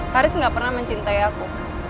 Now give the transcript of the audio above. haris gak pernah mencintai aku